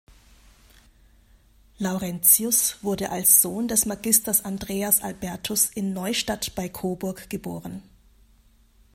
Laurentius wurde als Sohn des Magisters Andreas Albertus in Neustadt bei Coburg geboren.